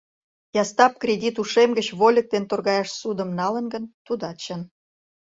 Ястап кредит ушем гыч вольык дене торгаяш ссудым налын гын, тудат чын.